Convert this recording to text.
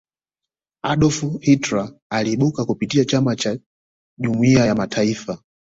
adolf hitler aliibuka kupitia chama cha jumuiya ya mataifa